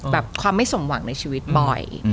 ความไม่สมหวังในชีวิตบ่อย